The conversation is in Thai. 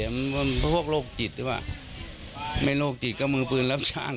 เพราะพวกโรคจิตหรือเปล่าไม่โรคจิตก็มือปืนรับจ้าง